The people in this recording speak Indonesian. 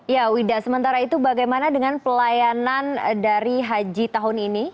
ya wida sementara itu bagaimana dengan pelayanan dari haji tahun ini